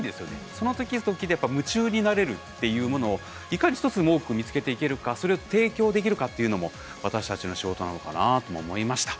その時々でやっぱり夢中になれるっていうものをいかに一つでも多く見つけていけるかそれを提供できるかっていうのも私たちの仕事なのかなとも思いました。